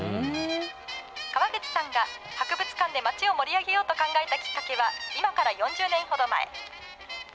川口さんが博物館で街を盛り上げようと考えたきっかけは、今から４０年ほど前。